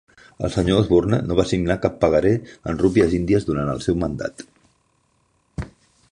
El Sr. Osborne no va signar cap pagaré en rupies índies durant el seu mandat.